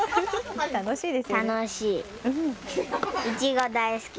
楽しいですよね。